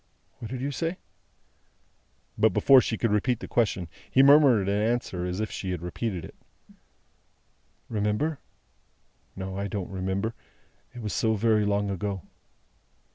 "What did you say?" But, before she could repeat the question, he murmured an answer as if she had repeated it. "Remember? No, I don't remember. It was so very long ago."